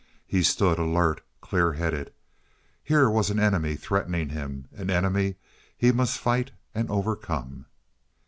He stood alert, clear headed. Here was an enemy threatening him an enemy he must fight and overcome.